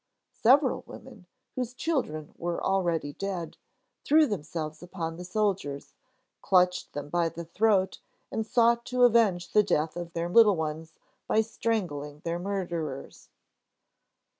Several women, whose children were already dead, threw themselves upon the soldiers, clutched them by the throat, and sought to avenge the death of their little ones by strangling their murderers.